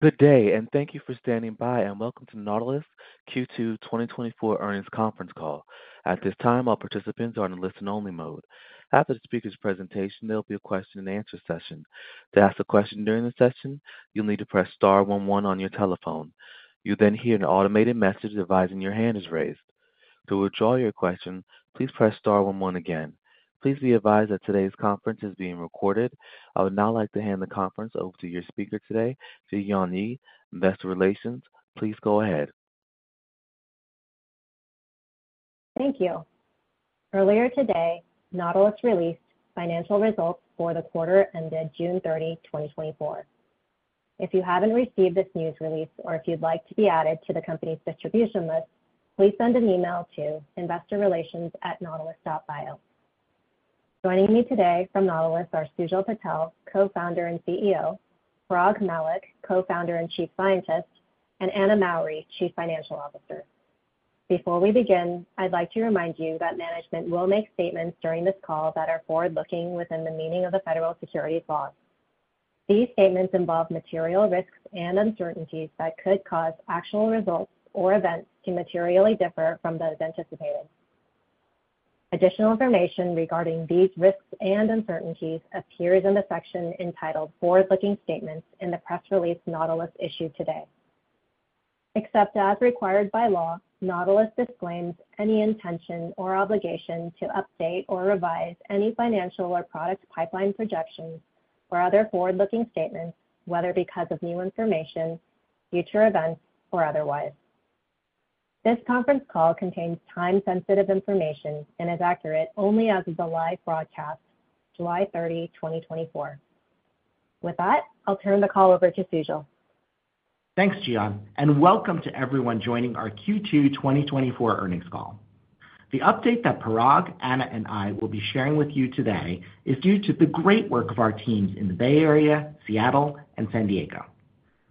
Good day, and thank you for standing by, and welcome to Nautilus Q2 2024 earnings conference call. At this time, all participants are in a listen-only mode. After the speaker's presentation, there will be a question-and-answer session. To ask a question during the session, you'll need to press star one one on your telephone. You'll then hear an automated message advising your hand is raised. To withdraw your question, please press star one one again. Please be advised that today's conference is being recorded. I would now like to hand the conference over to your speaker today, Ji-Yon Yi, Investor Relations. Please go ahead. Thank you. Earlier today, Nautilus released financial results for the quarter ended June 30, 2024. If you haven't received this news release or if you'd like to be added to the company's distribution list, please send an email to investorrelations@nautilus.bio. Joining me today from Nautilus are Sujal Patel, Co-founder and CEO; Parag Mallick, Co-founder and Chief Scientist; and Anna Mowry, Chief Financial Officer. Before we begin, I'd like to remind you that management will make statements during this call that are forward-looking within the meaning of the federal securities law. These statements involve material risks and uncertainties that could cause actual results or events to materially differ from those anticipated. Additional information regarding these risks and uncertainties appears in the section entitled Forward-Looking Statements in the press release Nautilus issued today. Except as required by law, Nautilus disclaims any intention or obligation to update or revise any financial or product pipeline projections or other forward-looking statements, whether because of new information, future events, or otherwise. This conference call contains time-sensitive information and is accurate only as of the live broadcast, July 30, 2024. With that, I'll turn the call over to Sujal. Thanks, Ji-Yon, and welcome to everyone joining Our Q2 2024 earnings call. The update that Parag, Anna, and I will be sharing with you today is due to the great work of our teams in the Bay Area, Seattle, and San Diego.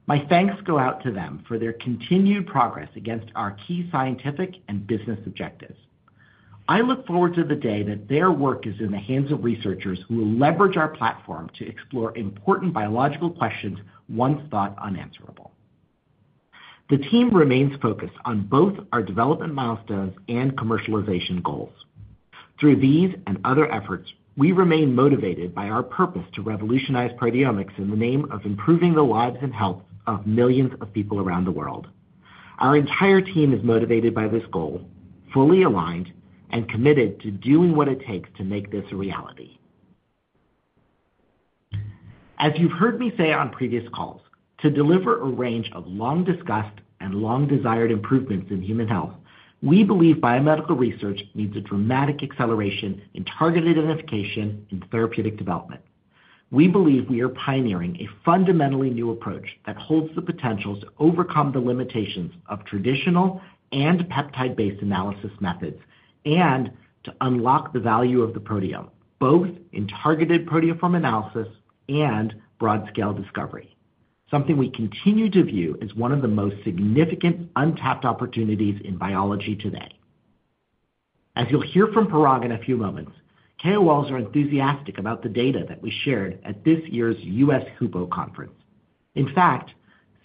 My thanks go out to them for their continued progress against our key scientific and business objectives. I look forward to the day that their work is in the hands of researchers who will leverage our platform to explore important biological questions once thought unanswerable. The team remains focused on both our development milestones and commercialization goals. Through these and other efforts, we remain motivated by our purpose to revolutionize proteomics in the name of improving the lives and health of millions of people around the world. Our entire team is motivated by this goal, fully aligned, and committed to doing what it takes to make this a reality. As you've heard me say on previous calls, to deliver a range of long-discussed and long-desired improvements in human health, we believe biomedical research needs a dramatic acceleration in targeted identification and therapeutic development. We believe we are pioneering a fundamentally new approach that holds the potential to overcome the limitations of traditional and peptide-based analysis methods and to unlock the value of the proteome, both in targeted proteoform analysis and broad-scale discovery, something we continue to view as one of the most significant untapped opportunities in biology today. As you'll hear from Parag in a few moments, KOLs are enthusiastic about the data that we shared at this year's US HUPO conference. In fact,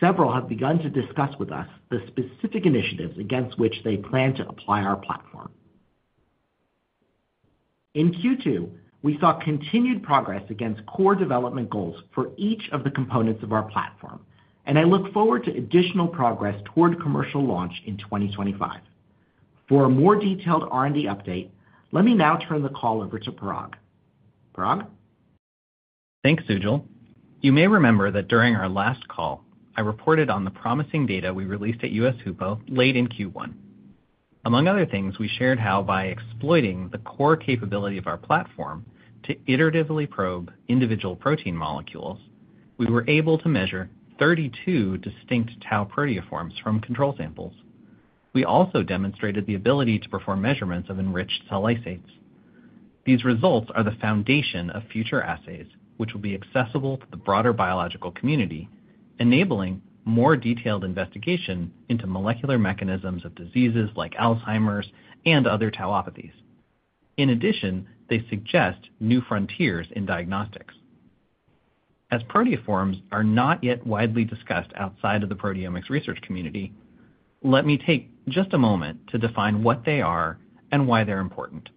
several have begun to discuss with us the specific initiatives against which they plan to apply our platform. In Q2, we saw continued progress against core development goals for each of the components of our platform, and I look forward to additional progress toward commercial launch in 2025. For a more detailed R&D update, let me now turn the call over to Parag. Parag? Thanks, Sujal. You may remember that during our last call, I reported on the promising data we released at US HUPO late in Q1. Among other things, we shared how, by exploiting the core capability of our platform to iteratively probe individual protein molecules, we were able to measure 32 distinct tau proteoforms from control samples. We also demonstrated the ability to perform measurements of enriched cell lysates. These results are the foundation of future assays, which will be accessible to the broader biological community, enabling more detailed investigation into molecular mechanisms of diseases like Alzheimer's and other tauopathies. In addition, they suggest new frontiers in diagnostics. As proteoforms are not yet widely discussed outside of the proteomics research community, let me take just a moment to define what they are and why they're important.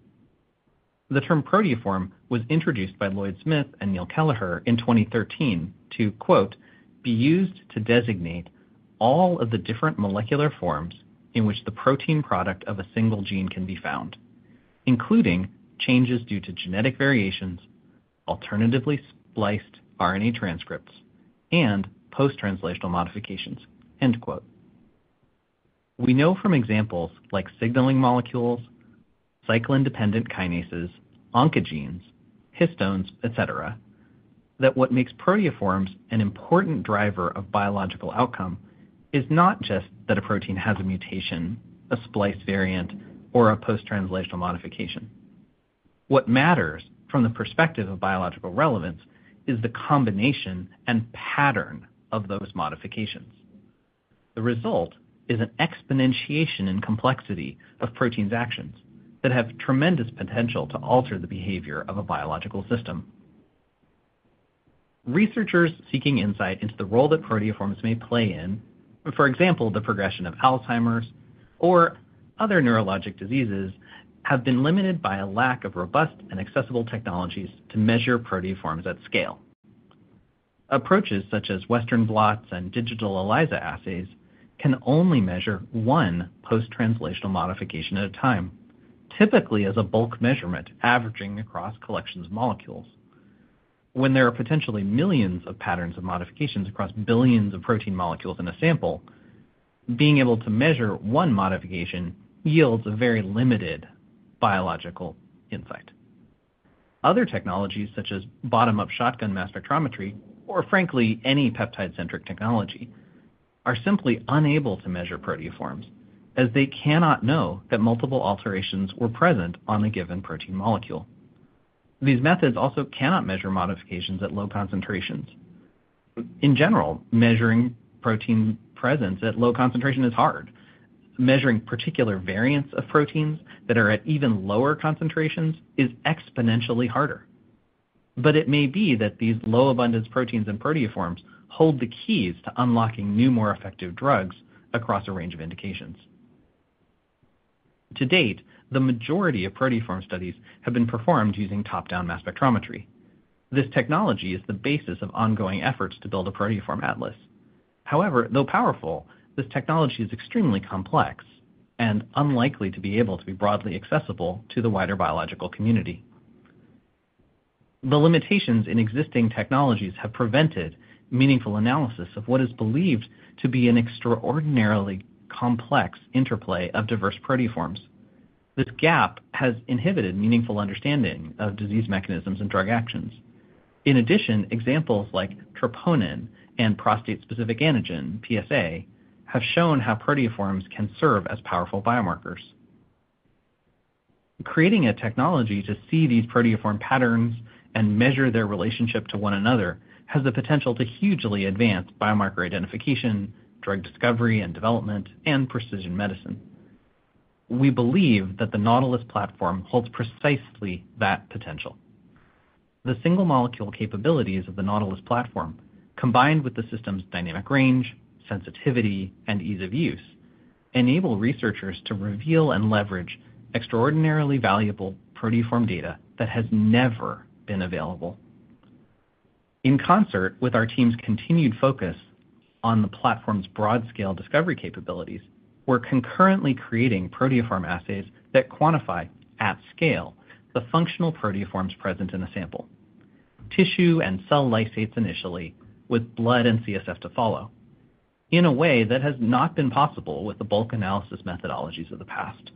The term proteoform was introduced by Lloyd Smith and Neil Kelleher in 2013 to, quote, be used to designate all of the different molecular forms in which the protein product of a single gene can be found, including changes due to genetic variations, alternatively spliced RNA transcripts, and post-translational modifications, end quote. We know from examples like signaling molecules, cyclin-dependent kinases, oncogenes, histones, etc., that what makes proteoforms an important driver of biological outcome is not just that a protein has a mutation, a spliced variant, or a post-translational modification. What matters from the perspective of biological relevance is the combination and pattern of those modifications. The result is an exponentiation in complexity of protein's actions that have tremendous potential to alter the behavior of a biological system. Researchers seeking insight into the role that proteoforms may play in, for example, the progression of Alzheimer's or other neurologic diseases, have been limited by a lack of robust and accessible technologies to measure proteoforms at scale. Approaches such as Western blots and digital ELISA assays can only measure one post-translational modification at a time, typically as a bulk measurement averaging across collections of molecules. When there are potentially millions of patterns of modifications across billions of protein molecules in a sample, being able to measure one modification yields a very limited biological insight. Other technologies, such as bottom-up shotgun mass spectrometry, or frankly, any peptide-centric technology, are simply unable to measure proteoforms as they cannot know that multiple alterations were present on a given protein molecule. These methods also cannot measure modifications at low concentrations. In general, measuring protein presence at low concentration is hard. Measuring particular variants of proteins that are at even lower concentrations is exponentially harder. But it may be that these low-abundance proteins and proteoforms hold the keys to unlocking new, more effective drugs across a range of indications. To date, the majority of proteoform studies have been performed using top-down mass spectrometry. This technology is the basis of ongoing efforts to build a proteoform atlas. However, though powerful, this technology is extremely complex and unlikely to be able to be broadly accessible to the wider biological community. The limitations in existing technologies have prevented meaningful analysis of what is believed to be an extraordinarily complex interplay of diverse proteoforms. This gap has inhibited meaningful understanding of disease mechanisms and drug actions. In addition, examples like troponin and prostate-specific antigen, PSA, have shown how proteoforms can serve as powerful biomarkers. Creating a technology to see these proteoform patterns and measure their relationship to one another has the potential to hugely advance biomarker identification, drug discovery and development, and precision medicine. We believe that the Nautilus platform holds precisely that potential. The single-molecule capabilities of the Nautilus platform, combined with the system's dynamic range, sensitivity, and ease of use, enable researchers to reveal and leverage extraordinarily valuable proteoform data that has never been available. In concert with our team's continued focus on the platform's broad-scale discovery capabilities, we're concurrently creating proteoform assays that quantify, at scale, the functional proteoforms present in the sample: tissue and cell lysates initially, with blood and CSF to follow, in a way that has not been possible with the bulk analysis methodologies of the past.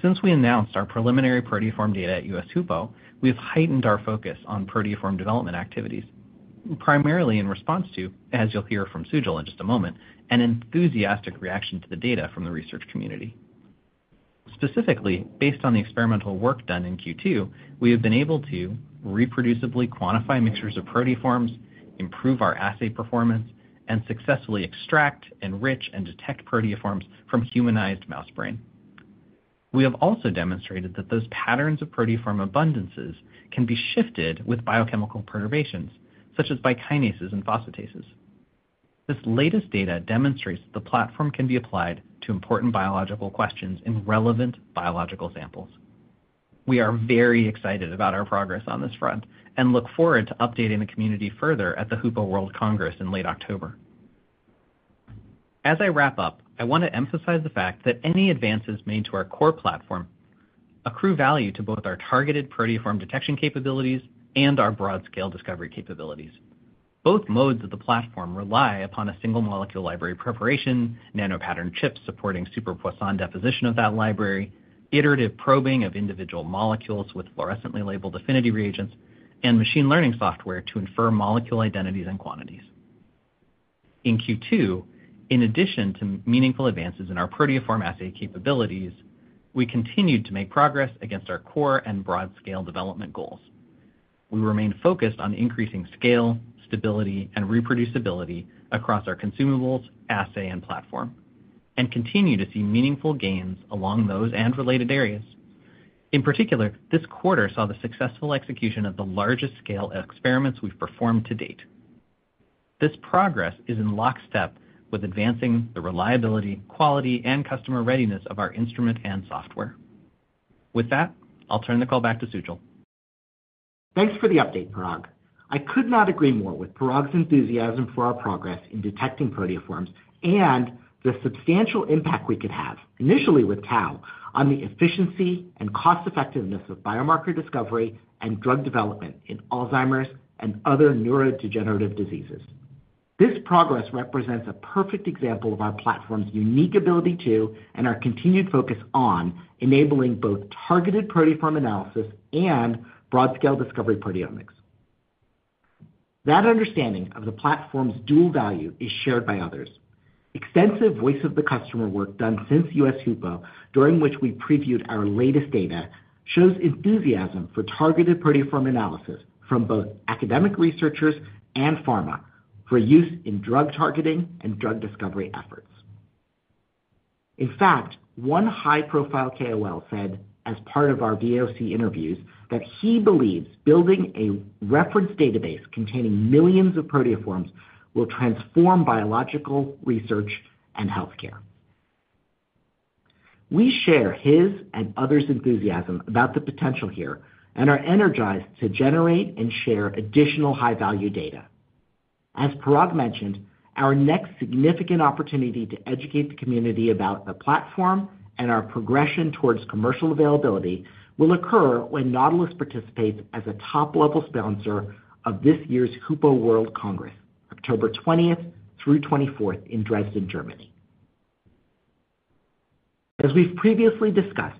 Since we announced our preliminary proteoform data at US HUPO, we have heightened our focus on proteoform development activities, primarily in response to, as you'll hear from Sujal in just a moment, an enthusiastic reaction to the data from the research community. Specifically, based on the experimental work done in Q2, we have been able to reproducibly quantify mixtures of proteoforms, improve our assay performance, and successfully extract, enrich, and detect proteoforms from humanized mouse brain. We have also demonstrated that those patterns of proteoform abundances can be shifted with biochemical perturbations, such as by kinases and phosphatases. This latest data demonstrates that the platform can be applied to important biological questions in relevant biological samples. We are very excited about our progress on this front and look forward to updating the community further at the HUPO World Congress in late October. As I wrap up, I want to emphasize the fact that any advances made to our core platform accrue value to both our targeted proteoform detection capabilities and our broad-scale discovery capabilities. Both modes of the platform rely upon a single-molecule library preparation, nanopattern chips supporting super-Poisson deposition of that library, iterative probing of individual molecules with fluorescently labeled affinity reagents, and machine learning software to infer molecule identities and quantities. In Q2, in addition to meaningful advances in our proteoform assay capabilities, we continued to make progress against our core and broad-scale development goals. We remain focused on increasing scale, stability, and reproducibility across our consumables, assay, and platform, and continue to see meaningful gains along those and related areas. In particular, this quarter saw the successful execution of the largest-scale experiments we've performed to date. This progress is in lockstep with advancing the reliability, quality, and customer readiness of our instrument and software. With that, I'll turn the call back to Sujal. Thanks for the update, Parag. I could not agree more with Parag's enthusiasm for our progress in detecting proteoforms and the substantial impact we could have, initially with tau, on the efficiency and cost-effectiveness of biomarker discovery and drug development in Alzheimer's and other neurodegenerative diseases. This progress represents a perfect example of our platform's unique ability to and our continued focus on enabling both targeted proteoform analysis and broad-scale discovery proteomics. That understanding of the platform's dual value is shared by others. Extensive voice-of-the-customer work done since US HUPO, during which we previewed our latest data, shows enthusiasm for targeted proteoform analysis from both academic researchers and pharma for use in drug targeting and drug discovery efforts. In fact, one high-profile KOL said, as part of our VOC interviews, that he believes building a reference database containing millions of proteoforms will transform biological research and healthcare. We share his and others' enthusiasm about the potential here and are energized to generate and share additional high-value data. As Parag mentioned, our next significant opportunity to educate the community about the platform and our progression towards commercial availability will occur when Nautilus participates as a top-level sponsor of this year's HUPO World Congress, October 20th through 24th in Dresden, Germany. As we've previously discussed,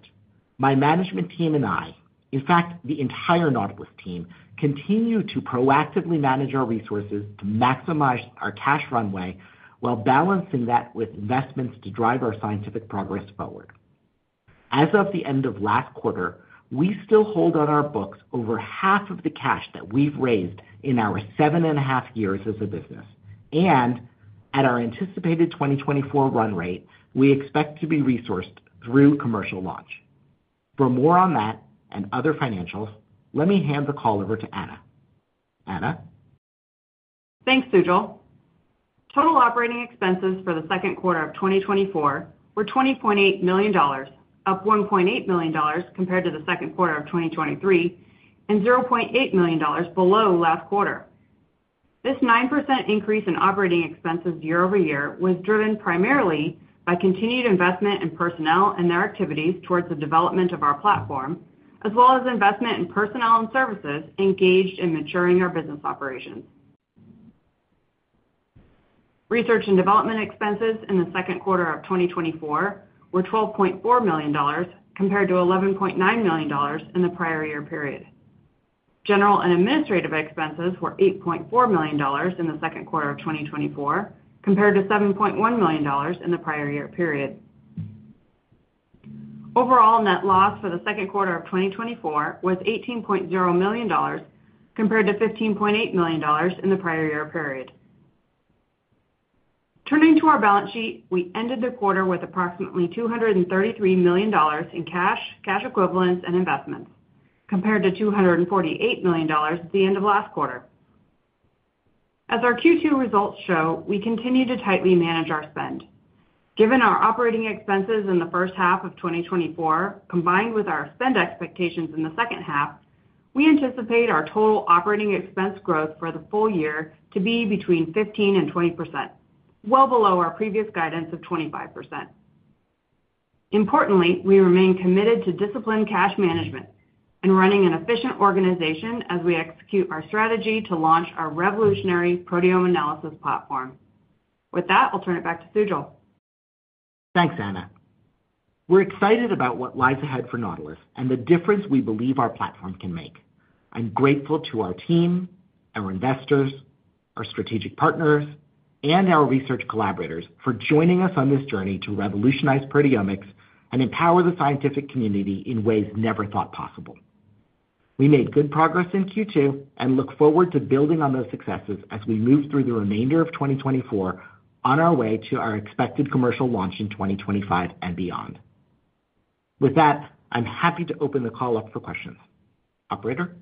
my management team and I, in fact, the entire Nautilus team, continue to proactively manage our resources to maximize our cash runway while balancing that with investments to drive our scientific progress forward. As of the end of last quarter, we still hold on our books over half of the cash that we've raised in our 7.5 years as a business, and at our anticipated 2024 run rate, we expect to be resourced through commercial launch. For more on that and other financials, let me hand the call over to Anna. Anna? Thanks, Sujal. Total operating expenses for the second quarter of 2024 were $20.8 million, up $1.8 million compared to the second quarter of 2023, and $0.8 million below last quarter. This 9% increase in operating expenses year-over-year was driven primarily by continued investment in personnel and their activities towards the development of our platform, as well as investment in personnel and services engaged in maturing our business operations. Research and development expenses in the second quarter of 2024 were $12.4 million compared to $11.9 million in the prior year period. General and administrative expenses were $8.4 million in the second quarter of 2024 compared to $7.1 million in the prior year period. Overall net loss for the second quarter of 2024 was $18.0 million compared to $15.8 million in the prior year period. Turning to our balance sheet, we ended the quarter with approximately $233 million in cash, cash equivalents, and investments compared to $248 million at the end of last quarter. As our Q2 results show, we continue to tightly manage our spend. Given our operating expenses in the first half of 2024 combined with our spend expectations in the second half, we anticipate our total operating expense growth for the full year to be between 15% and 20%, well below our previous guidance of 25%. Importantly, we remain committed to disciplined cash management and running an efficient organization as we execute our strategy to launch our revolutionary proteome analysis platform. With that, I'll turn it back to Sujal. Thanks, Anna. We're excited about what lies ahead for Nautilus and the difference we believe our platform can make. I'm grateful to our team, our investors, our strategic partners, and our research collaborators for joining us on this journey to revolutionize proteomics and empower the scientific community in ways never thought possible. We made good progress in Q2 and look forward to building on those successes as we move through the remainder of 2024 on our way to our expected commercial launch in 2025 and beyond. With that, I'm happy to open the call up for questions. Operator?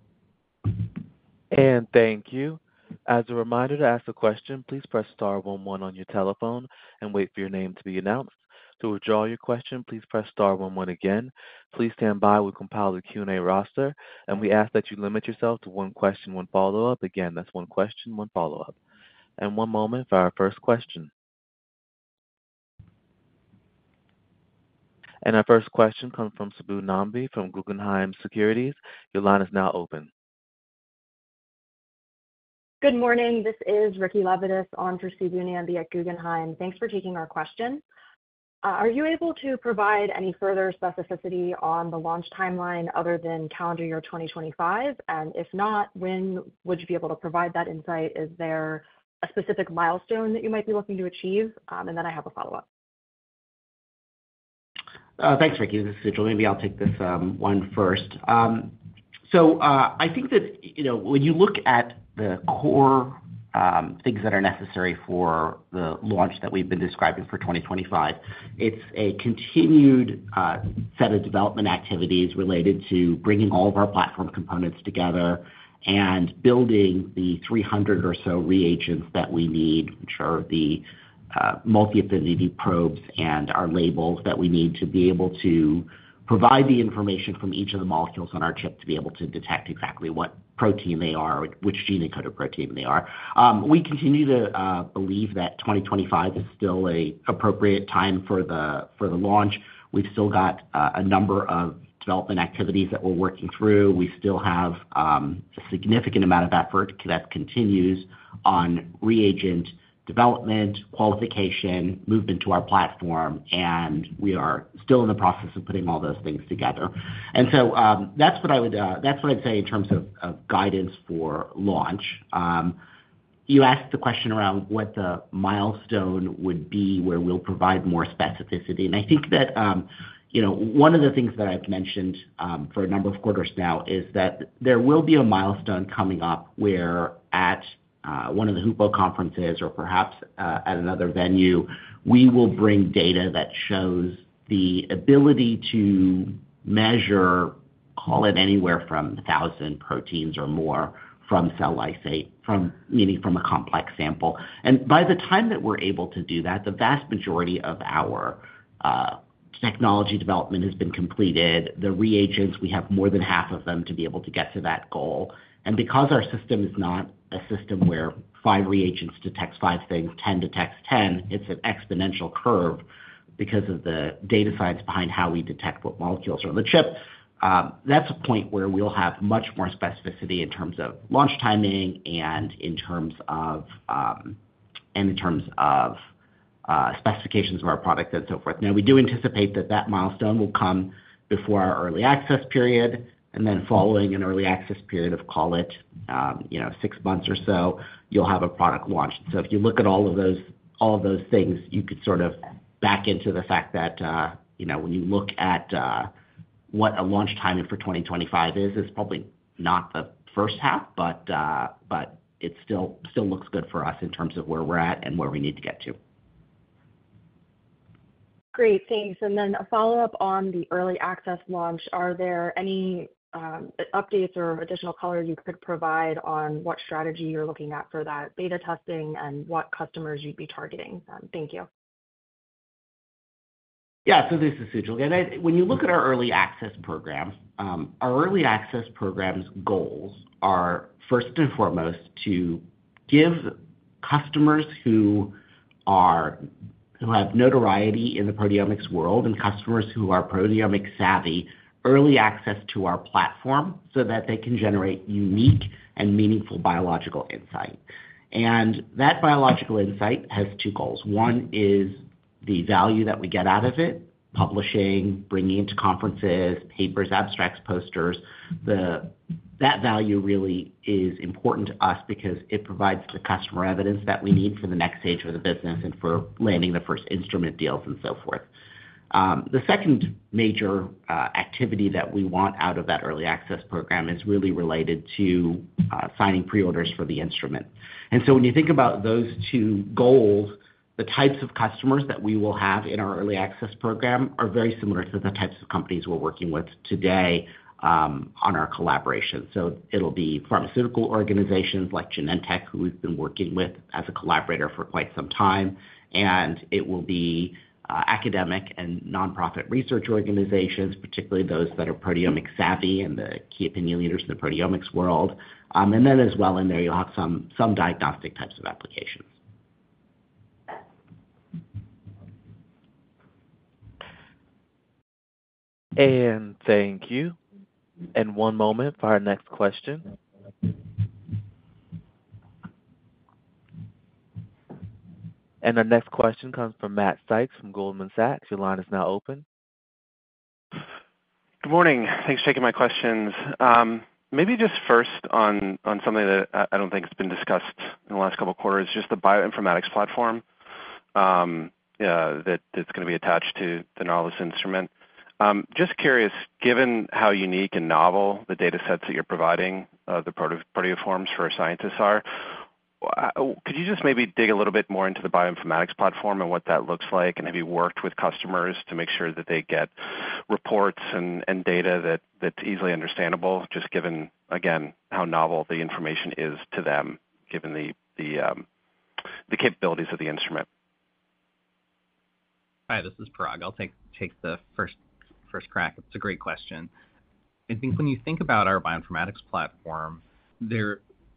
Thank you. As a reminder to ask a question, please press star one one on your telephone and wait for your name to be announced. To withdraw your question, please press star one one again. Please stand by. We'll compile the Q&A roster, and we ask that you limit yourself to one question, one follow-up. Again, that's one question, one follow-up. One moment for our first question. Our first question comes from Subbu Nambi from Guggenheim Securities. Your line is now open. Good morning. This is Ricki Levitus on for Subbu Nambi at Guggenheim. Thanks for taking our question. Are you able to provide any further specificity on the launch timeline other than calendar year 2025? And if not, when would you be able to provide that insight? Is there a specific milestone that you might be looking to achieve? And then I have a follow-up. Thanks, Ricki. This is Sujal. Maybe I'll take this one first. So I think that when you look at the core things that are necessary for the launch that we've been describing for 2025, it's a continued set of development activities related to bringing all of our platform components together and building the 300 or so reagents that we need, which are the multi-affinity probes and our labels that we need to be able to provide the information from each of the molecules on our chip to be able to detect exactly what protein they are, which genotype of protein they are. We continue to believe that 2025 is still an appropriate time for the launch. We've still got a number of development activities that we're working through. We still have a significant amount of effort that continues on reagent development, qualification, movement to our platform, and we are still in the process of putting all those things together. And so that's what I would say in terms of guidance for launch. You asked the question around what the milestone would be where we'll provide more specificity. And I think that one of the things that I've mentioned for a number of quarters now is that there will be a milestone coming up where at one of the HUPO conferences or perhaps at another venue, we will bring data that shows the ability to measure, call it anywhere from 1,000 proteins or more from cell lysate, meaning from a complex sample. And by the time that we're able to do that, the vast majority of our technology development has been completed. The reagents, we have more than half of them to be able to get to that goal. Because our system is not a system where 5 reagents detect 5 things, 10 detects 10, it's an exponential curve because of the data science behind how we detect what molecules are on the chip. That's a point where we'll have much more specificity in terms of launch timing and in terms of specifications of our product and so forth. Now, we do anticipate that that milestone will come before our early access period. Then following an early access period of, call it 6 months or so, you'll have a product launch. And so if you look at all of those things, you could sort of back into the fact that when you look at what a launch timing for 2025 is, it's probably not the first half, but it still looks good for us in terms of where we're at and where we need to get to. Great. Thanks. Then a follow-up on the early access launch. Are there any updates or additional color you could provide on what strategy you're looking at for that beta testing and what customers you'd be targeting? Thank you. Yeah. This is Sujal. When you look at our early access program, our early access program's goals are first and foremost to give customers who have notoriety in the proteomics world and customers who are proteomics-savvy early access to our platform so that they can generate unique and meaningful biological insight. And that biological insight has two goals. One is the value that we get out of it, publishing, bringing it to conferences, papers, abstracts, posters. That value really is important to us because it provides the customer evidence that we need for the next stage of the business and for landing the first instrument deals and so forth. The second major activity that we want out of that early access program is really related to signing pre-orders for the instrument. When you think about those two goals, the types of customers that we will have in our early access program are very similar to the types of companies we're working with today on our collaboration. It'll be pharmaceutical organizations like Genentech, who we've been working with as a collaborator for quite some time. It will be academic and nonprofit research organizations, particularly those that are proteomics-savvy and the key opinion leaders in the proteomics world. Then as well in there, you'll have some diagnostic types of applications. Thank you. One moment for our next question. Our next question comes from Matt Sykes from Goldman Sachs. Your line is now open. Good morning. Thanks for taking my questions. Maybe just first on something that I don't think has been discussed in the last couple of quarters, just the bioinformatics platform that's going to be attached to the Nautilus instrument. Just curious, given how unique and novel the data sets that you're providing the proteoforms for scientists are, could you just maybe dig a little bit more into the bioinformatics platform and what that looks like? And have you worked with customers to make sure that they get reports and data that's easily understandable, just given, again, how novel the information is to them, given the capabilities of the instrument? Hi, this is Parag. I'll take the first crack. It's a great question. I think when you think about our bioinformatics platform,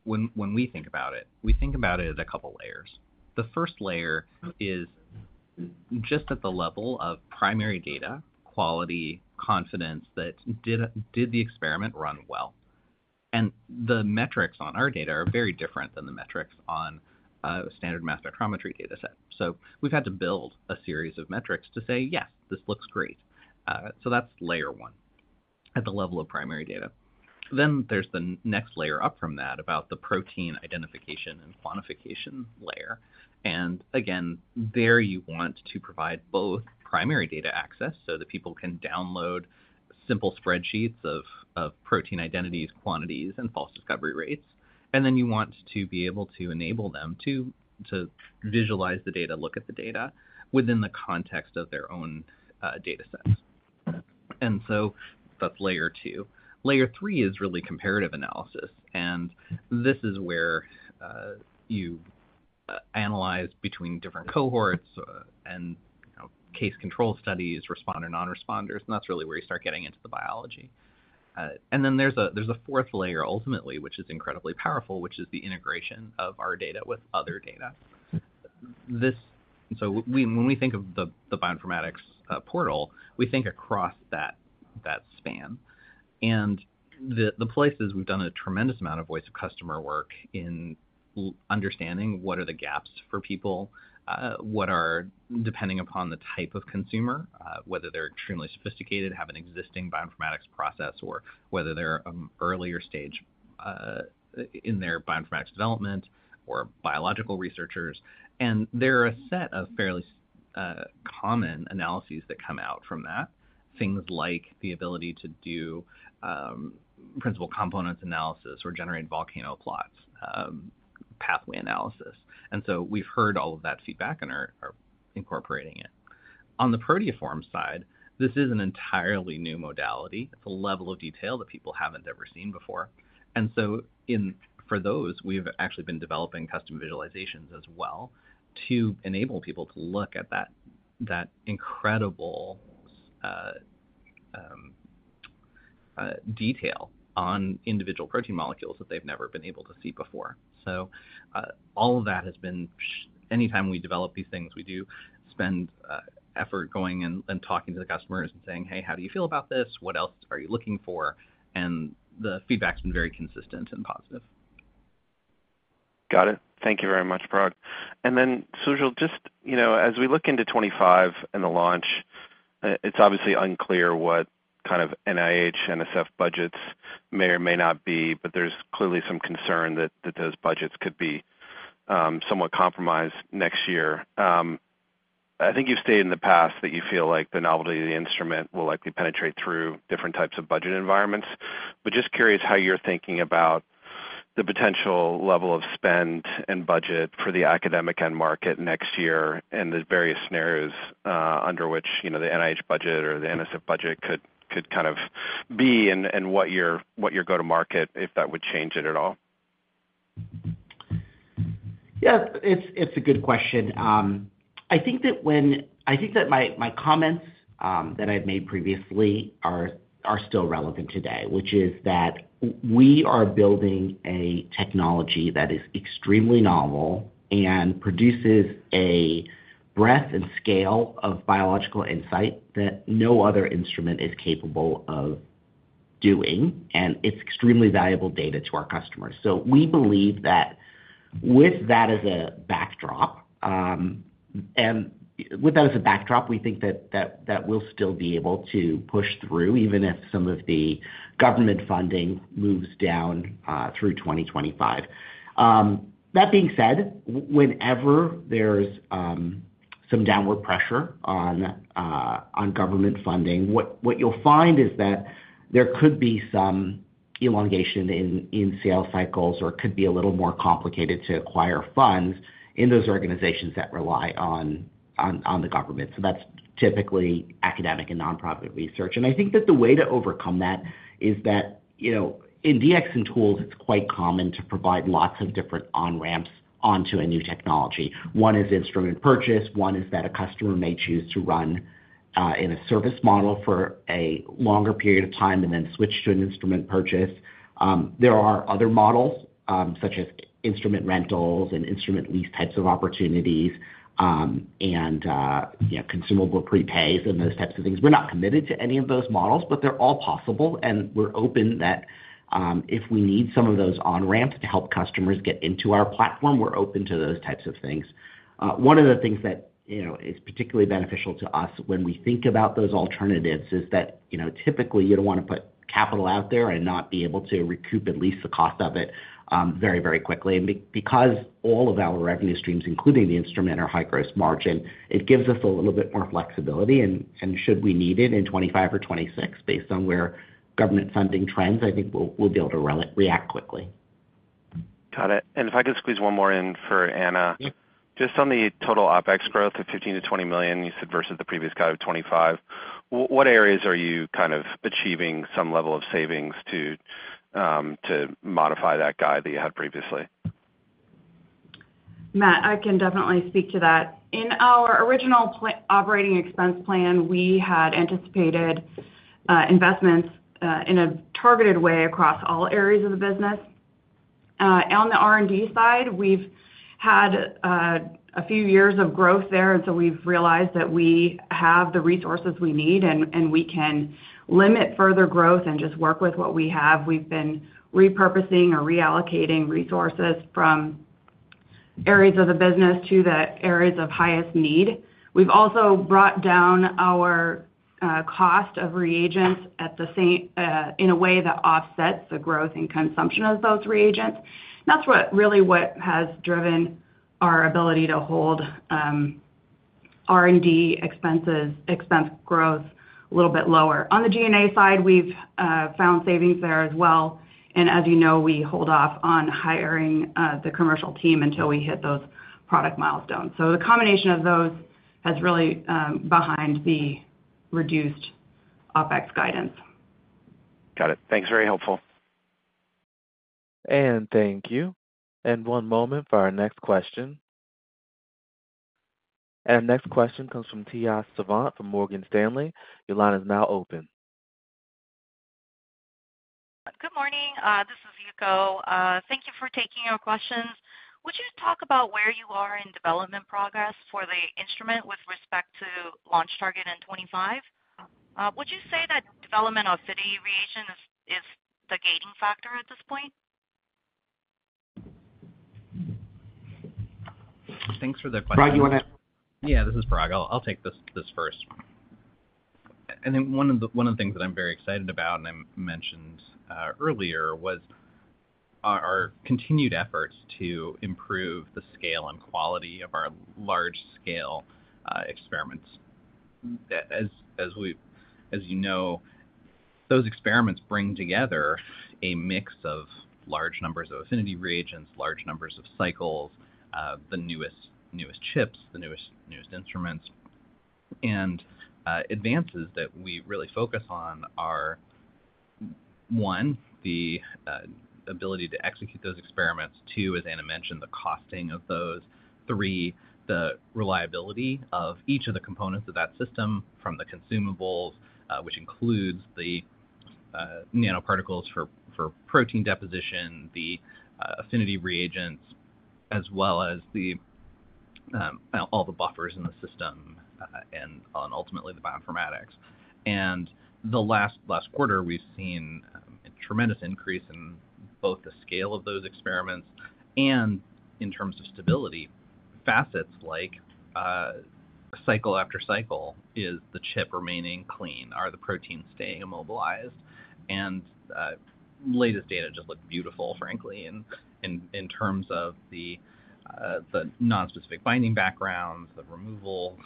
when we think about it, we think about it as a couple of layers. The first layer is just at the level of primary data, quality, confidence that did the experiment run well. The metrics on our data are very different than the metrics on a standard mass spectrometry data set. So we've had to build a series of metrics to say, yes, this looks great. So that's layer one at the level of primary data. Then there's the next layer up from that about the protein identification and quantification layer. And again, there you want to provide both primary data access so that people can download simple spreadsheets of protein identities, quantities, and false discovery rates. And then you want to be able to enable them to visualize the data, look at the data within the context of their own data sets. And so that's layer two. Layer three is really comparative analysis. And this is where you analyze between different cohorts and case control studies, responder non-responders. And that's really where you start getting into the biology. And then there's a fourth layer ultimately, which is incredibly powerful, which is the integration of our data with other data. So when we think of the bioinformatics portal, we think across that span. And the places we've done a tremendous amount of voice of customer work in understanding what are the gaps for people, depending upon the type of consumer, whether they're extremely sophisticated, have an existing bioinformatics process, or whether they're an earlier stage in their bioinformatics development or biological researchers. There are a set of fairly common analyses that come out from that, things like the ability to do Principal Component Analysis or generate volcano plots, pathway analysis. And so we've heard all of that feedback and are incorporating it. On the proteoform side, this is an entirely new modality. It's a level of detail that people haven't ever seen before. And so for those, we've actually been developing custom visualizations as well to enable people to look at that incredible detail on individual protein molecules that they've never been able to see before. So all of that has been, anytime we develop these things, we do spend effort going and talking to the customers and saying, "Hey, how do you feel about this? What else are you looking for?" And the feedback's been very consistent and positive. Got it. Thank you very much, Parag. And then, Sujal, just as we look into 2025 and the launch, it's obviously unclear what kind of NIH, NSF budgets may or may not be, but there's clearly some concern that those budgets could be somewhat compromised next year. I think you've stated in the past that you feel like the novelty of the instrument will likely penetrate through different types of budget environments. But just curious how you're thinking about the potential level of spend and budget for the academic end market next year and the various scenarios under which the NIH budget or the NSF budget could kind of be and what your go-to-market, if that would change it at all? Yeah, it's a good question. I think that my comments that I've made previously are still relevant today, which is that we are building a technology that is extremely novel and produces a breadth and scale of biological insight that no other instrument is capable of doing. And it's extremely valuable data to our customers. So we believe that with that as a backdrop, and with that as a backdrop, we think that we'll still be able to push through even if some of the government funding moves down through 2025. That being said, whenever there's some downward pressure on government funding, what you'll find is that there could be some elongation in sales cycles or it could be a little more complicated to acquire funds in those organizations that rely on the government. So that's typically academic and nonprofit research. I think that the way to overcome that is that in DX and tools, it's quite common to provide lots of different on-ramps onto a new technology. One is instrument purchase. One is that a customer may choose to run in a service model for a longer period of time and then switch to an instrument purchase. There are other models such as instrument rentals and instrument lease types of opportunities and consumable prepays and those types of things. We're not committed to any of those models, but they're all possible. And we're open that if we need some of those on-ramps to help customers get into our platform, we're open to those types of things. One of the things that is particularly beneficial to us when we think about those alternatives is that typically you don't want to put capital out there and not be able to recoup at least the cost of it very, very quickly. Because all of our revenue streams, including the instrument, are high gross margin, it gives us a little bit more flexibility. Should we need it in 2025 or 2026, based on where government funding trends, I think we'll be able to react quickly. Got it. And if I could squeeze one more in for Anna. Just on the total OpEx growth of $15 million-$20 million, you said versus the previous guidance of $25 million, what areas are you kind of achieving some level of savings to modify that guidance that you had previously? Matt, I can definitely speak to that. In our original operating expense plan, we had anticipated investments in a targeted way across all areas of the business. On the R&D side, we've had a few years of growth there. And so we've realized that we have the resources we need and we can limit further growth and just work with what we have. We've been repurposing or reallocating resources from areas of the business to the areas of highest need. We've also brought down our cost of reagents in a way that offsets the growth and consumption of those reagents. And that's really what has driven our ability to hold R&D expense growth a little bit lower. On the G&A side, we've found savings there as well. And as you know, we hold off on hiring the commercial team until we hit those product milestones. So the combination of those has really been behind the reduced OpEx guidance. Got it. Thanks. Very helpful. Thank you. One moment for our next question. Our next question comes from Tejas Savant from Morgan Stanley. Your line is now open. Good morning. This is Yuko. Thank you for taking our questions. Would you talk about where you are in development progress for the instrument with respect to launch target in 2025? Would you say that development of key reagent is the gating factor at this point? Thanks for the question. Yeah, this is Parag. I'll take this first. And then one of the things that I'm very excited about, and I mentioned earlier, was our continued efforts to improve the scale and quality of our large-scale experiments. As you know, those experiments bring together a mix of large numbers of affinity reagents, large numbers of cycles, the newest chips, the newest instruments. And advances that we really focus on are one, the ability to execute those experiments. Two, as Anna mentioned, the costing of those. Three, the reliability of each of the components of that system from the consumables, which includes the nanoparticles for protein deposition, the affinity reagents, as well as all the buffers in the system and ultimately the bioinformatics. The last quarter, we've seen a tremendous increase in both the scale of those experiments and in terms of stability, facets like cycle after cycle is the chip remaining clean? Are the proteins staying immobilized? And latest data just looked beautiful, frankly, in terms of the nonspecific binding backgrounds, the removal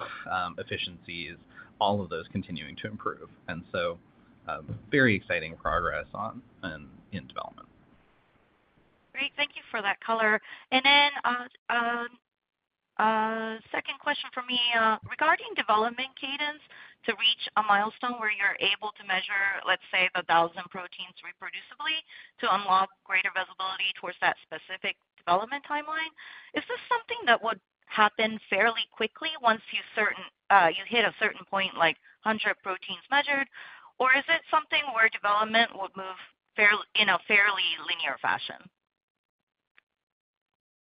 efficiencies, all of those continuing to improve. And so very exciting progress in development. Great. Thank you for that color. And then second question for me regarding development cadence to reach a milestone where you're able to measure, let's say, the 1,000 proteins reproducibly to unlock greater visibility towards that specific development timeline. Is this something that would happen fairly quickly once you hit a certain point, like 100 proteins measured? Or is it something where development would move in a fairly linear fashion?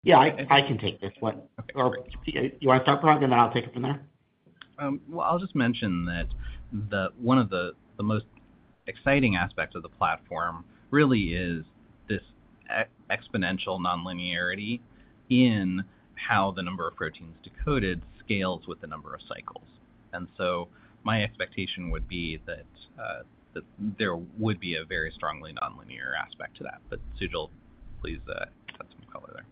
Yeah, I can take this one. You want to start, Parag, and then I'll take it from there? Well, I'll just mention that one of the most exciting aspects of the platform really is this exponential nonlinearity in how the number of proteins decoded scales with the number of cycles. And so my expectation would be that there would be a very strongly nonlinear aspect to that. But Sujal, please add some color there.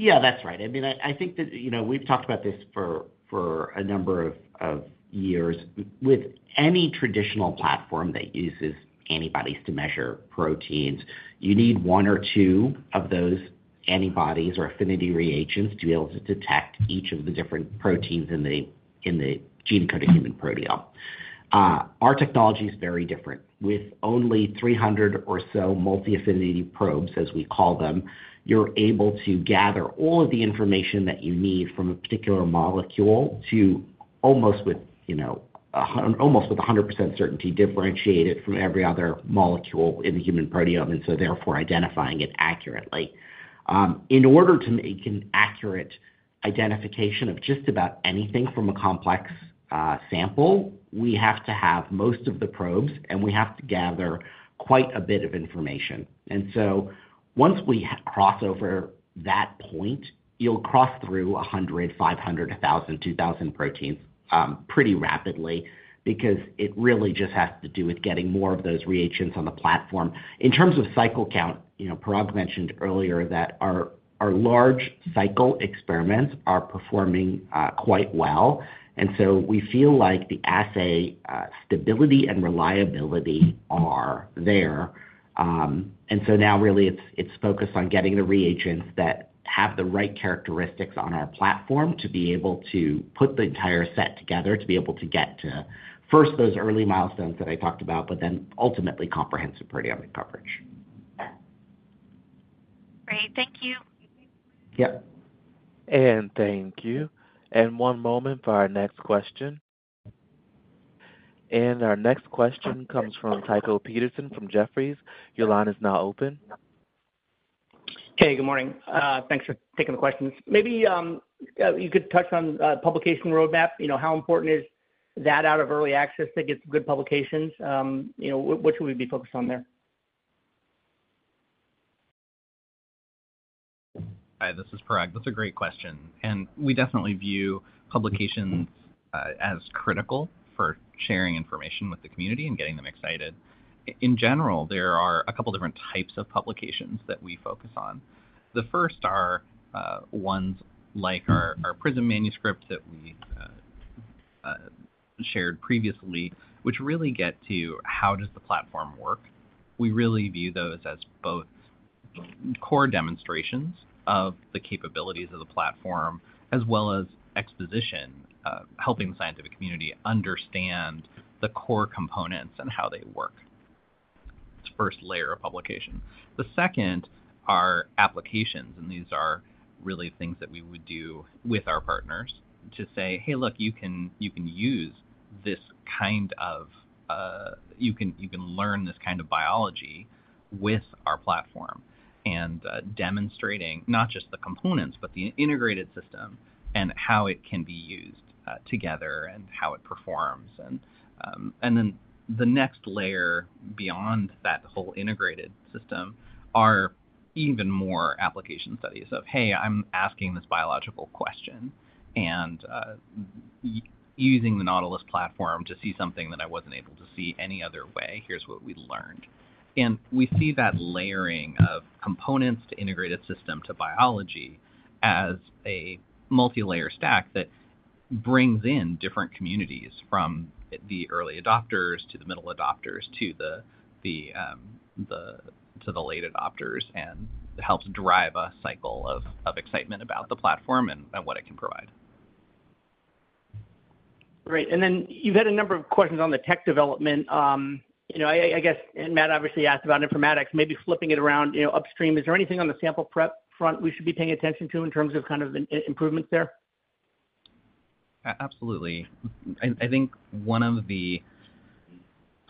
Yeah, that's right. I mean, I think that we've talked about this for a number of years. With any traditional platform that uses antibodies to measure proteins, you need one or two of those antibodies or affinity reagents to be able to detect each of the different proteins in the gene code of human proteome. Our technology is very different. With only 300 or so multi-affinity probes, as we call them, you're able to gather all of the information that you need from a particular molecule to almost with 100% certainty differentiate it from every other molecule in the human proteome and so therefore identifying it accurately. In order to make an accurate identification of just about anything from a complex sample, we have to have most of the probes, and we have to gather quite a bit of information. Once we cross over that point, you'll cross through 100, 500, 1,000, 2,000 proteins pretty rapidly because it really just has to do with getting more of those reagents on the platform. In terms of cycle count, Parag mentioned earlier that our large cycle experiments are performing quite well. We feel like the assay stability and reliability are there. Now really it's focused on getting the reagents that have the right characteristics on our platform to be able to put the entire set together to be able to get to first those early milestones that I talked about, but then ultimately comprehensive proteomic coverage. Great. Thank you. Yep. Thank you. One moment for our next question. Our next question comes from Tycho Peterson from Jefferies. Your line is now open. Hey, good morning. Thanks for taking the questions. Maybe you could touch on publication roadmap. How important is that out of early access to get some good publications? What should we be focused on there? Hi, this is Parag. That's a great question. And we definitely view publications as critical for sharing information with the community and getting them excited. In general, there are a couple of different types of publications that we focus on. The first are ones like our PrISM manuscript that we shared previously, which really get to how does the platform work. We really view those as both core demonstrations of the capabilities of the platform as well as exposition, helping the scientific community understand the core components and how they work. It's the first layer of publication. The second are applications, and these are really things that we would do with our partners to say, "Hey, look, you can learn this kind of biology with our platform," and demonstrating not just the components, but the integrated system and how it can be used together and how it performs. And then the next layer beyond that whole integrated system are even more application studies of, "Hey, I'm asking this biological question and using the Nautilus platform to see something that I wasn't able to see any other way. Here's what we learned." And we see that layering of components to integrated system to biology as a multi-layer stack that brings in different communities from the early adopters to the middle adopters to the late adopters and helps drive a cycle of excitement about the platform and what it can provide. Great. Then you've had a number of questions on the tech development. I guess, and Matt obviously asked about informatics, maybe flipping it around upstream. Is there anything on the sample prep front we should be paying attention to in terms of kind of improvements there? Absolutely. I think one of the,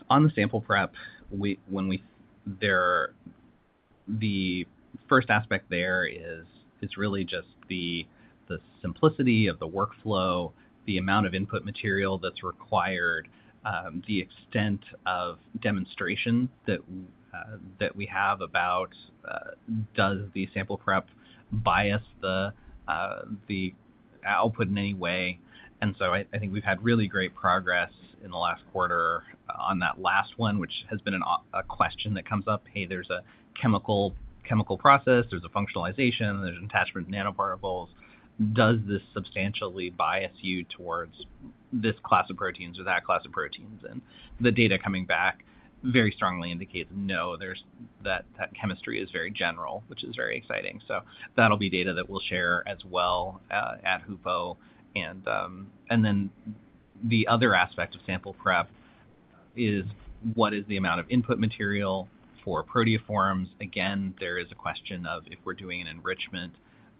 on the sample prep, the first aspect there is really just the simplicity of the workflow, the amount of input material that's required, the extent of demonstrations that we have about does the sample prep bias the output in any way. And so I think we've had really great progress in the last quarter on that last one, which has been a question that comes up. "Hey, there's a chemical process. There's a functionalization. There's an attachment to nanoparticles. Does this substantially bias you towards this class of proteins or that class of proteins?" And the data coming back very strongly indicates, "No, that chemistry is very general," which is very exciting. So that'll be data that we'll share as well at HUPO. And then the other aspect of sample prep is what is the amount of input material for proteoforms? Again, there is a question of if we're doing an enrichment,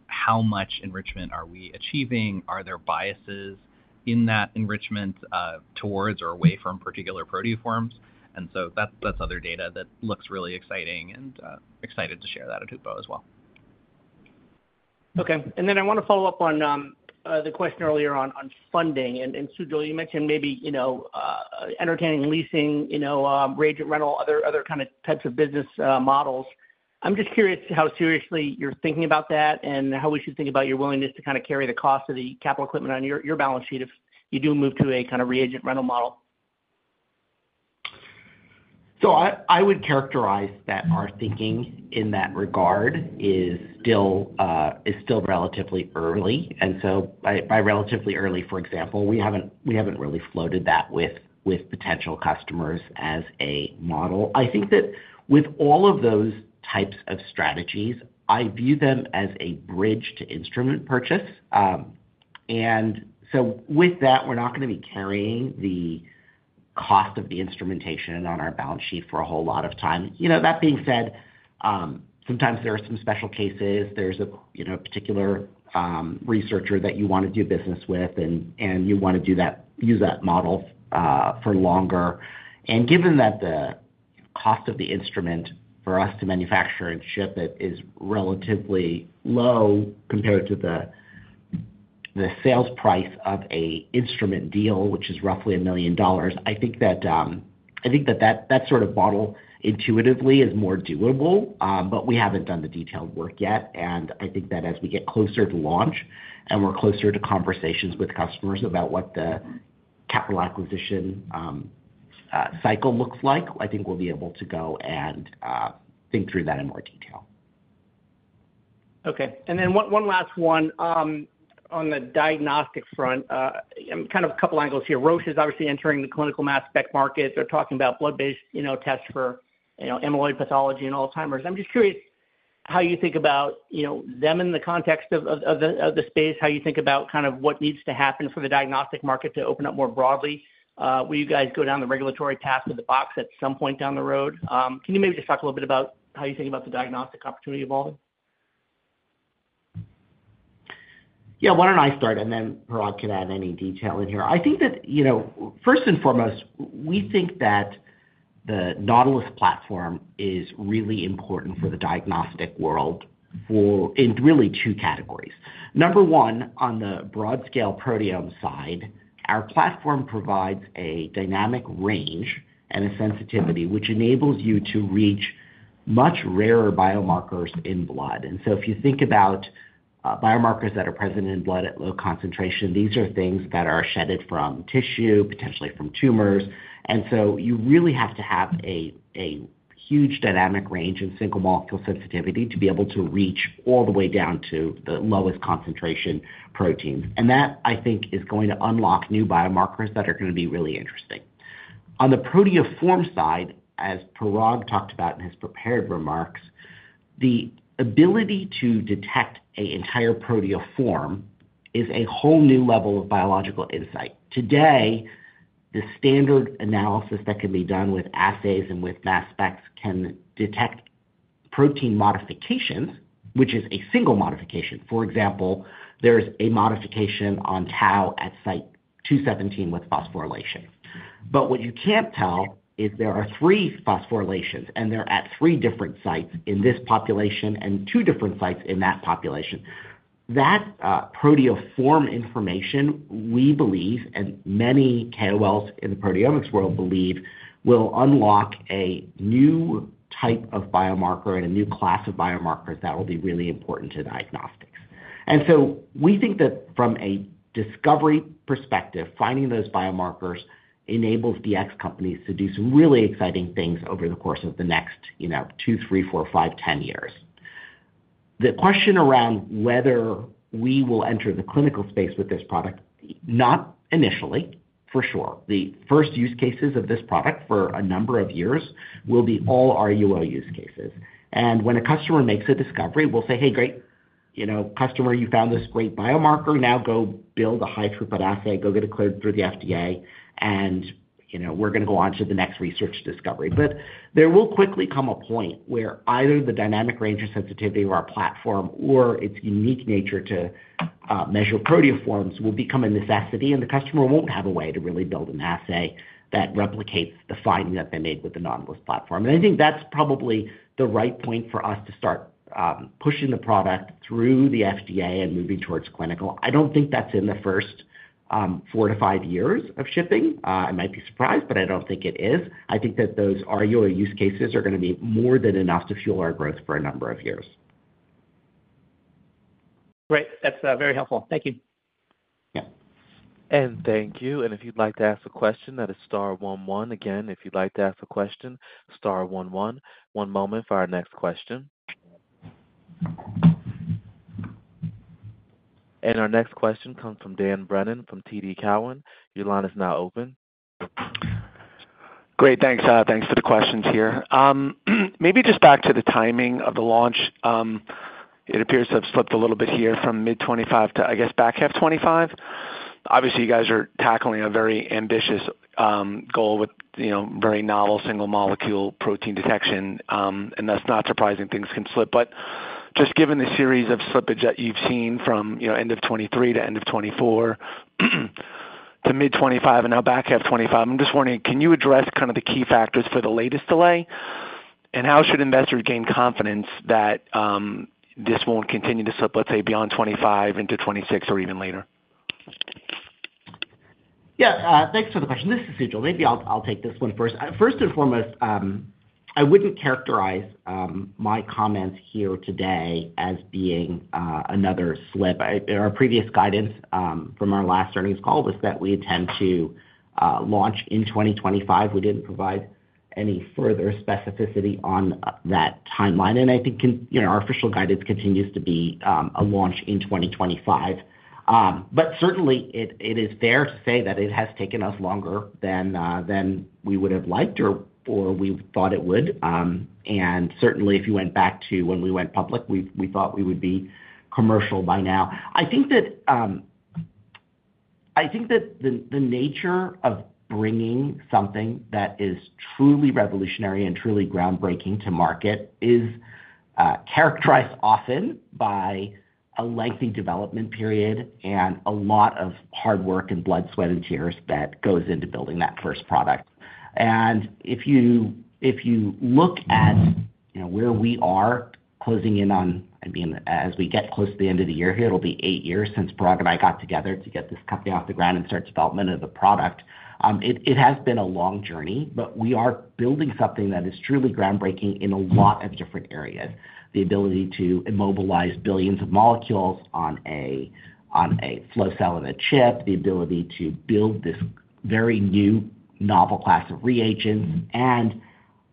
how much enrichment are we achieving? Are there biases in that enrichment towards or away from particular proteoforms? And so that's other data that looks really exciting and excited to share that at HUPO as well. Okay. And then I want to follow up on the question earlier on funding. And Sujal, you mentioned maybe entertaining leasing, reagent rental, other kind of types of business models. I'm just curious how seriously you're thinking about that and how we should think about your willingness to kind of carry the cost of the capital equipment on your balance sheet if you do move to a kind of reagent rental model? So I would characterize that our thinking in that regard is still relatively early. And so by relatively early, for example, we haven't really floated that with potential customers as a model. I think that with all of those types of strategies, I view them as a bridge to instrument purchase. And so with that, we're not going to be carrying the cost of the instrumentation on our balance sheet for a whole lot of time. That being said, sometimes there are some special cases. There's a particular researcher that you want to do business with, and you want to use that model for longer. Given that the cost of the instrument for us to manufacture and ship it is relatively low compared to the sales price of an instrument deal, which is roughly $1 million, I think that that sort of model intuitively is more doable, but we haven't done the detailed work yet. I think that as we get closer to launch and we're closer to conversations with customers about what the capital acquisition cycle looks like, I think we'll be able to go and think through that in more detail. Okay. And then one last one on the diagnostic front. Kind of a couple of angles here. Roche is obviously entering the clinical mass spec market. They're talking about blood-based tests for amyloid pathology and Alzheimer's. I'm just curious how you think about them in the context of the space, how you think about kind of what needs to happen for the diagnostic market to open up more broadly. Will you guys go down the regulatory path of the 510(k) at some point down the road? Can you maybe just talk a little bit about how you think about the diagnostic opportunity evolving? Yeah, why don't I start, and then Parag can add any detail in here. I think that first and foremost, we think that the Nautilus platform is really important for the diagnostic world in really two categories. Number one, on the broad-scale proteome side, our platform provides a dynamic range and a sensitivity which enables you to reach much rarer biomarkers in blood. And so if you think about biomarkers that are present in blood at low concentration, these are things that are shedded from tissue, potentially from tumors. And so you really have to have a huge dynamic range and single molecule sensitivity to be able to reach all the way down to the lowest concentration proteins. And that, I think, is going to unlock new biomarkers that are going to be really interesting. On the proteoform side, as Parag talked about in his prepared remarks, the ability to detect an entire proteoform is a whole new level of biological insight. Today, the standard analysis that can be done with assays and with mass specs can detect protein modifications, which is a single modification. For example, there's a modification on tau at site 217 with phosphorylation. But what you can't tell is there are three phosphorylations, and they're at three different sites in this population and two different sites in that population. That proteoform information, we believe, and many KOLs in the proteomics world believe, will unlock a new type of biomarker and a new class of biomarkers that will be really important to diagnostics. And so we think that from a discovery perspective, finding those biomarkers enables DX companies to do some really exciting things over the course of the next two, three, four, five, 10 years. The question around whether we will enter the clinical space with this product, not initially, for sure. The first use cases of this product for a number of years will be all RUO use cases. And when a customer makes a discovery, we'll say, "Hey, great, customer, you found this great biomarker. Now go build a high throughput assay. Go get it cleared through the FDA, and we're going to go on to the next research discovery." But there will quickly come a point where either the dynamic range of sensitivity of our platform or its unique nature to measure proteoforms will become a necessity, and the customer won't have a way to really build an assay that replicates the finding that they made with the Nautilus platform. And I think that's probably the right point for us to start pushing the product through the FDA and moving towards clinical. I don't think that's in the first 4-5 years of shipping. I might be surprised, but I don't think it is. I think that those RUO use cases are going to be more than enough to fuel our growth for a number of years. Great. That's very helpful. Thank you. Yeah. And thank you. And if you'd like to ask a question, that is star one one. Again, if you'd like to ask a question, star one one. One moment for our next question. And our next question comes from Dan Brennan from TD Cowen. Your line is now open. Great. Thanks. Thanks for the questions here. Maybe just back to the timing of the launch. It appears to have slipped a little bit here from mid-2025 to, I guess, back half 2025. Obviously, you guys are tackling a very ambitious goal with very novel single molecule protein detection. And that's not surprising. Things can slip. But just given the series of slippage that you've seen from end of 2023 to end of 2024 to mid-2025 and now back half 2025, I'm just wondering, can you address kind of the key factors for the latest delay? And how should investors gain confidence that this won't continue to slip, let's say, beyond 2025 into 2026 or even later? Yeah. Thanks for the question. This is Sujal. Maybe I'll take this one first. First and foremost, I wouldn't characterize my comments here today as being another slip. Our previous guidance from our last earnings call was that we intend to launch in 2025. We didn't provide any further specificity on that timeline. And I think our official guidance continues to be a launch in 2025. But certainly, it is fair to say that it has taken us longer than we would have liked or we thought it would. And certainly, if you went back to when we went public, we thought we would be commercial by now. I think that the nature of bringing something that is truly revolutionary and truly groundbreaking to market is characterized often by a lengthy development period and a lot of hard work and blood, sweat, and tears that goes into building that first product. If you look at where we are closing in on, I mean, as we get close to the end of the year here, it'll be 8 years since Parag and I got together to get this company off the ground and start development of the product. It has been a long journey, but we are building something that is truly groundbreaking in a lot of different areas. The ability to immobilize billions of molecules on a flow cell in a chip, the ability to build this very new novel class of reagents, and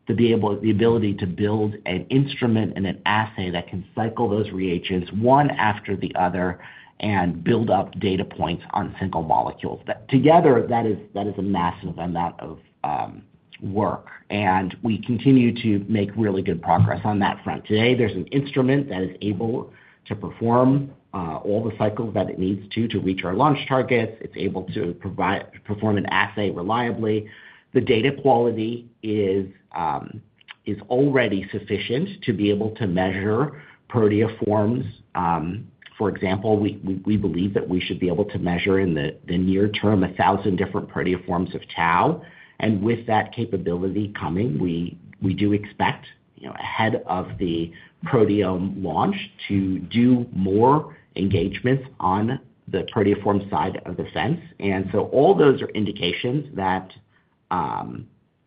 the ability to build an instrument and an assay that can cycle those reagents one after the other and build up data points on single molecules. Together, that is a massive amount of work. We continue to make really good progress on that front. Today, there's an instrument that is able to perform all the cycles that it needs to to reach our launch targets. It's able to perform an assay reliably. The data quality is already sufficient to be able to measure proteoforms. For example, we believe that we should be able to measure in the near term 1,000 different proteoforms of tau. And with that capability coming, we do expect ahead of the proteome launch to do more engagements on the proteoform side of the fence. And so all those are indications that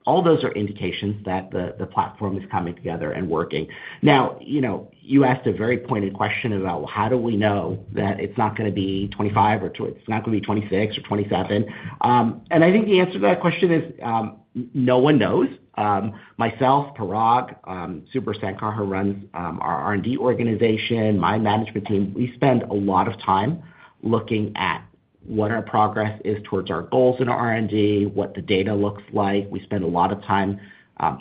all those are indications that the platform is coming together and working. Now, you asked a very pointed question about, "Well, how do we know that it's not going to be 25 or it's not going to be 26 or 27?" And I think the answer to that question is no one knows. Myself, Parag, Subra Sankar, who runs our R&D organization, my management team, we spend a lot of time looking at what our progress is towards our goals in R&D, what the data looks like. We spend a lot of time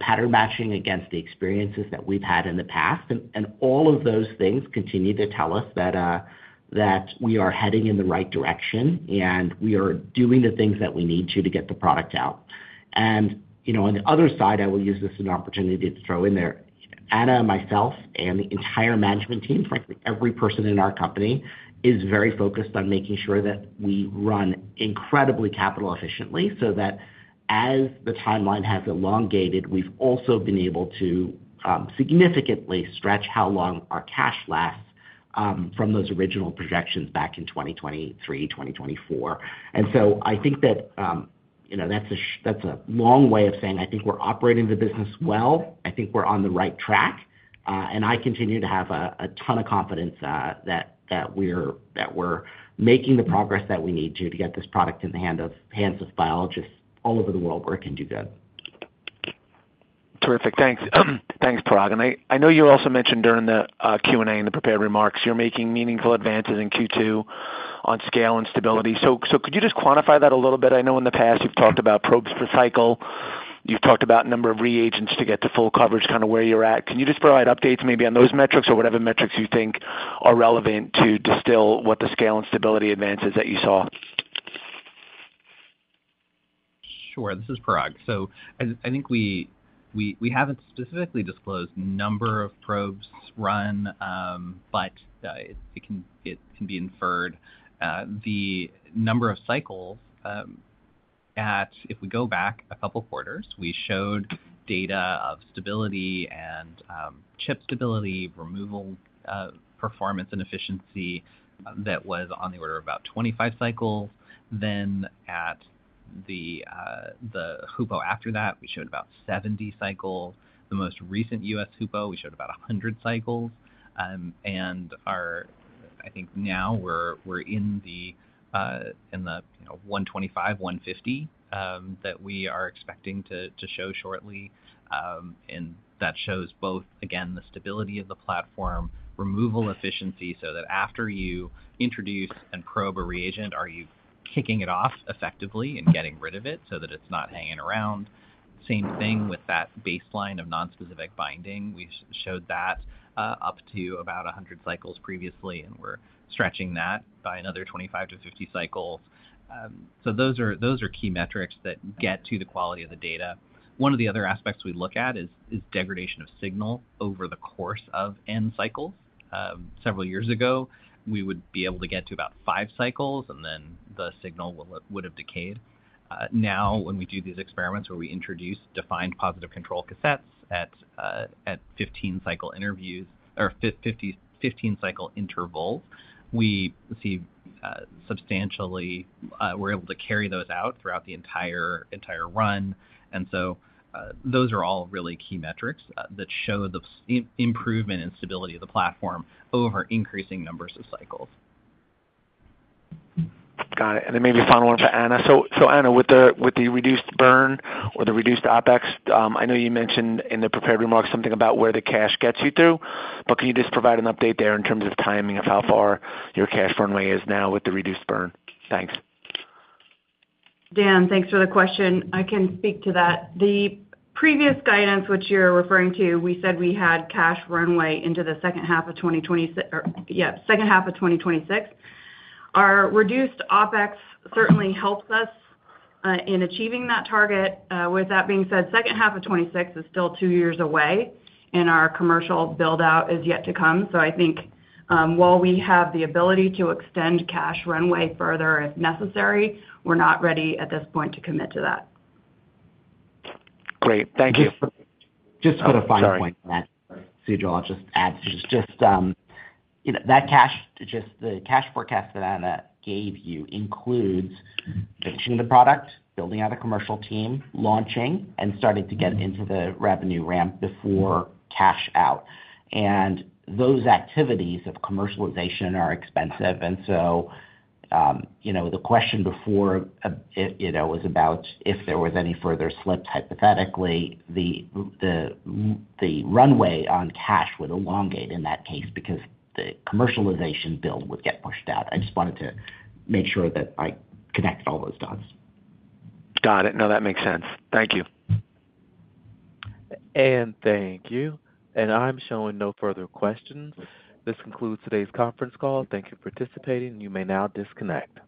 pattern matching against the experiences that we've had in the past. And all of those things continue to tell us that we are heading in the right direction, and we are doing the things that we need to to get the product out. And on the other side, I will use this as an opportunity to throw in there. Anna, myself, and the entire management team, frankly, every person in our company is very focused on making sure that we run incredibly capital efficiently so that as the timeline has elongated, we've also been able to significantly stretch how long our cash lasts from those original projections back in 2023, 2024. And so I think that that's a long way of saying, "I think we're operating the business well. I think we're on the right track. I continue to have a ton of confidence that we're making the progress that we need to get this product in the hands of biologists all over the world where it can do good. Terrific. Thanks. Thanks, Parag. I know you also mentioned during the Q&A and the prepared remarks, you're making meaningful advances in Q2 on scale and stability. Could you just quantify that a little bit? I know in the past, you've talked about probes per cycle. You've talked about number of reagents to get to full coverage, kind of where you're at. Can you just provide updates maybe on those metrics or whatever metrics you think are relevant to distill what the scale and stability advances that you saw? Sure. This is Parag. So I think we haven't specifically disclosed number of probes run, but it can be inferred. The number of cycles at, if we go back a couple of quarters, we showed data of stability and chip stability, removal performance and efficiency that was on the order of about 25 cycles. Then at the HUPO after that, we showed about 70 cycles. The most recent US HUPO, we showed about 100 cycles. And I think now we're in the 125-150 that we are expecting to show shortly. And that shows both, again, the stability of the platform, removal efficiency so that after you introduce and probe a reagent, are you kicking it off effectively and getting rid of it so that it's not hanging around. Same thing with that baseline of nonspecific binding. We showed that up to about 100 cycles previously, and we're stretching that by another 25-50 cycles. So those are key metrics that get to the quality of the data. One of the other aspects we look at is degradation of signal over the course of the cycles. Several years ago, we would be able to get to about 5 cycles, and then the signal would have decayed. Now, when we do these experiments where we introduce defined positive control cassettes at 50-cycle intervals, we see substantially we're able to carry those out throughout the entire run. And so those are all really key metrics that show the improvement and stability of the platform over increasing numbers of cycles. Got it. And then maybe final one for Anna. So Anna, with the reduced burn or the reduced OpEx, I know you mentioned in the prepared remarks something about where the cash gets you through, but can you just provide an update there in terms of timing of how far your cash runway is now with the reduced burn? Thanks. Dan, thanks for the question. I can speak to that. The previous guidance, which you're referring to, we said we had cash runway into the second half of 2026. Yeah, second half of 2026. Our reduced OpEx certainly helps us in achieving that target. With that being said, second half of 2026 is still two years away, and our commercial buildout is yet to come. So I think while we have the ability to extend cash runway further if necessary, we're not ready at this point to commit to that. Great. Thank you. Just a final point on that. Sujal, I'll just add to just that cash, just the cash forecast that Anna gave you includes finishing the product, building out a commercial team, launching, and starting to get into the revenue ramp before cash out. Those activities of commercialization are expensive. So the question before was about if there was any further slip, hypothetically, the runway on cash would elongate in that case because the commercialization build would get pushed out. I just wanted to make sure that I connected all those dots. Got it. No, that makes sense. Thank you. Thank you. I'm showing no further questions. This concludes today's conference call. Thank you for participating. You may now disconnect.